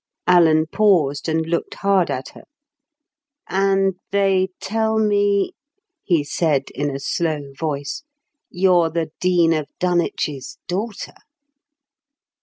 Alan paused and looked hard at her. "And they tell me," he said in a slow voice, "you're the Dean of Dunwich's daughter!"